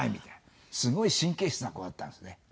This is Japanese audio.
すごい神経質な子だったんですね。